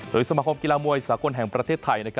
โดยสมาคมกีฬามวยสากลแห่งประเทศไทย